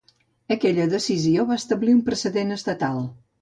Aquella decisió va establir un precedent estatal.